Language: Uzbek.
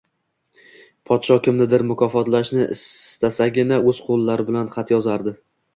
Podsho kimnidir mukofotlashni istasagina oʻz qoʻllari bilan xat yozardi